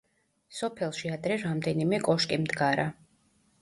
სოფელში ადრე რამდენიმე კოშკი მდგარა.